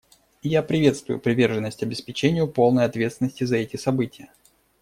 И я приветствую приверженность обеспечению полной ответственности за эти события.